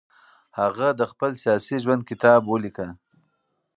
هغه د خپل سیاسي ژوند کتاب ولیکه.